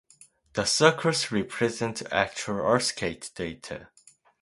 The circles represent actual earthquake data.